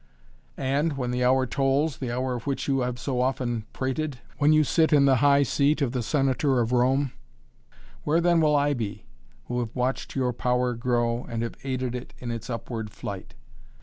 "And, when the hour tolls the hour of which you have so often prated when you sit in the high seat of the Senator of Rome where then will I be, who have watched your power grow and have aided it in its upward flight?"